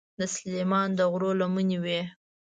د سلیمان د غرو لمنې وې.